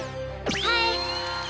はい！